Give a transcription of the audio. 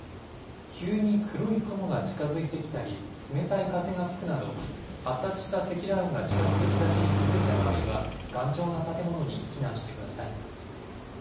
急に黒い雲が近づいてきたり、冷たい風が吹くなど、発達した積乱雲が近づく兆しに気付いた場合は、頑丈な建物に避難